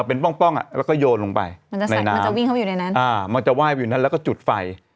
เป็นป้องอ่ะแล้วก็โยนลงไปในน้ำมันจะว่ายไปอยู่ในนั้นแล้วก็จุดไฟ